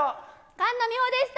菅野美穂でした。